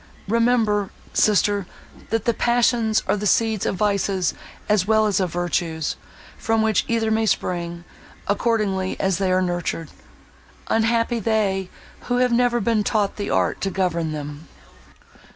Remember, sister, that the passions are the seeds of vices as well as of virtues, from which either may spring, accordingly as they are nurtured. Unhappy they who have never been taught the art to govern them!"